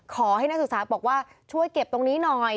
ขอให้นักศึกษาบอกว่าช่วยเก็บตรงนี้หน่อย